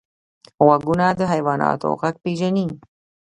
غوږونه د حیواناتو غږ پېژني